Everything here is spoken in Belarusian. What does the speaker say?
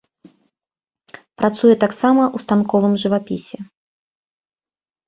Працуе таксама ў станковым жывапісе.